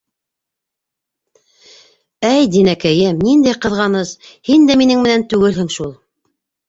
Әй Динәкәйем, ниндәй ҡыҙғаныс, һин дә минең менән түгелһең шул...